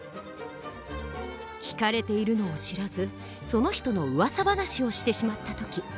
「聞かれているのを知らずその人の噂話をしてしまった時。